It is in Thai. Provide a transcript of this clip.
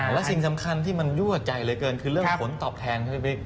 แล้วสิ่งสำคัญที่มันยั่วใจเลยเกินคือเรื่องผลตอบแทนใช่ไหมพี่